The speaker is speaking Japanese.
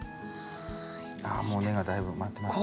ああもう根がだいぶ回ってますね。